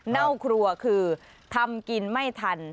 หน้าครัวคือทำกินไม่ทัน